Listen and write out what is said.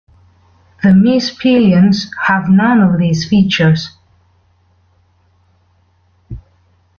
The "Mispillions" have none of these features.